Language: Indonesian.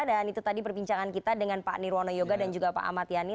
dan itu tadi perbincangan kita dengan pak nirwano yoga dan juga pak ahmad yani